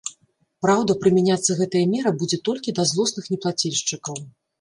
Праўда, прымяняцца гэтая мера будзе толькі да злосных неплацельшчыкаў.